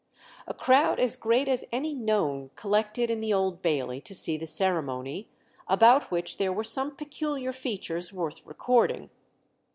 A crowd as great as any known collected in the Old Bailey to see the ceremony, about which there were some peculiar features worth recording.